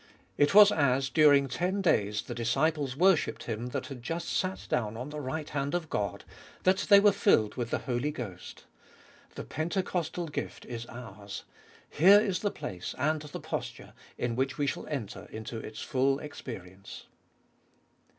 It was as, during ten days, the disciples worshipped Him that had just sat down on the right hand of God, that they were filled with the Holy Ghost. The Pentecostal gift is ours : here is the place and the posture in which we shall enter into its full experience.